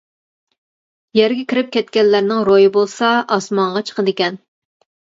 يەرگە كىرىپ كەتكەنلەرنىڭ روھى بولسا ئاسمانغا چىقىدىكەن.